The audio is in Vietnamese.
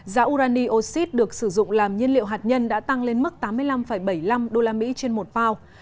giá urani oxy được sử dụng làm nhiên liệu hạt nhân đã tăng lên mức tám mươi năm bảy mươi năm usd trên một bao